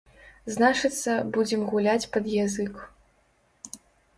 Значыцца, будзем гуляць пад язык.